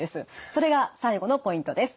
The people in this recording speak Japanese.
それが最後のポイントです。